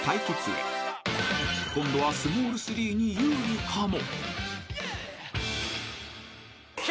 ［今度はスモール３に有利かも］